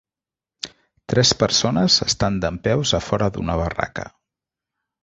Tres persones estan dempeus a fora d'una barraca.